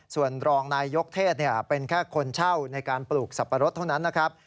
ส่วนรองนายยกเทศเป็นแค่คนเช่าในการปลูกสับปะรดเท่านั้นนะครับ